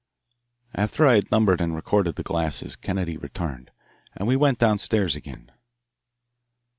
After I had numbered and recorded the glasses Kennedy returned, and we went down stairs again.